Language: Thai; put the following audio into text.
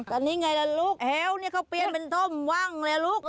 ตอนนี้ไงละลูกเฮ้วเนี่ยเขาเปลี่ยนเป็นสมวังเลยลูก